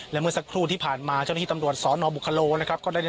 และเมื่อสักครู่ที่ผ่านมาเจ้าหน้าที่ตำรวจสนบุคโลนะครับก็ได้